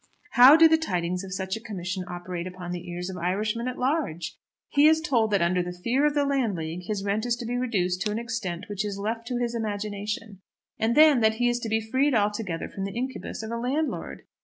How do the tidings of such a commission operate upon the ears of Irishmen at large? He is told that under the fear of the Landleague his rent is to be reduced to an extent which is left to his imagination; and then, that he is to be freed altogether from the incubus of a landlord!